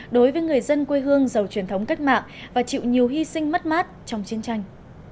đối với người dân quê hương giàu truyền thống cách mạng và chịu nhiều hy sinh mất mát trong chiến tranh